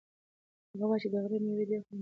هغه وایي چې د غره مېوې ډېر خوند لري.